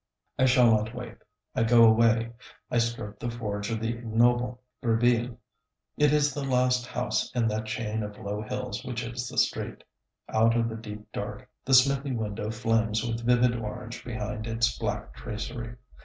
I shall not wait. I go away. I skirt the forge of the ignoble Brisbille. It is the last house in that chain of low hills which is the street. Out of the deep dark the smithy window flames with vivid orange behind its black tracery.